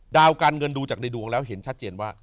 ด่าการเงินดูจากใดดูของเราเห็นชัดเจนว่า